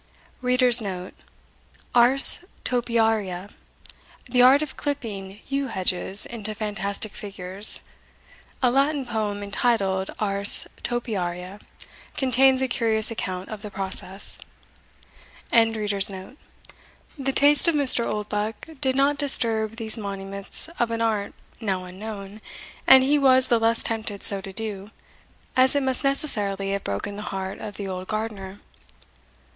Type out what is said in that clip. * Ars Topiaria, the art of clipping yew hedges into fantastic figures. A Latin poem, entitled Ars Topiaria, contains a curious account of the process. The taste of Mr. Oldbuck did not disturb these monuments of an art now unknown, and he was the less tempted so to do, as it must necessarily have broken the heart of the old gardener.